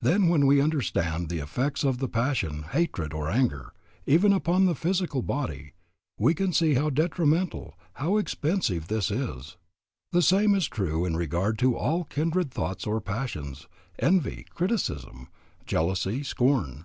Then when we understand the effects of the passion, hatred or anger, even upon the physical body, we can see how detrimental, how expensive this is. The same is true in regard to all kindred thoughts or passions, envy, criticism, jealousy, scorn.